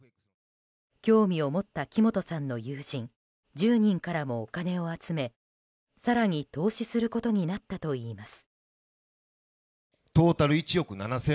興味を持った木本さんの友人１０人からもお金を集め更に投資することになったといいます。